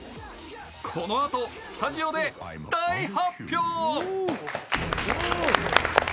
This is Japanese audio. このあとスタジオで大発表。